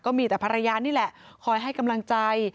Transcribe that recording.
มีแต่ภรรยานี่แหละคอยให้กำลังใจ